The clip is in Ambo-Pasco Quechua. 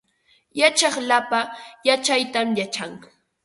Yachaq lapa yachaytam yachan